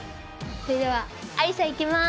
それではありさいきます。